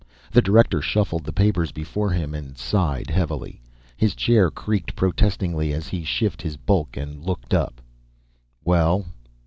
The Director shuffled the papers before him and sighed heavily. His chair creaked protestingly as he shifted his bulk and looked up. "Well?"